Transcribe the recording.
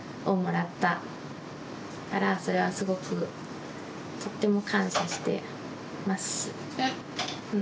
だからそれはすごくとっても感謝してます。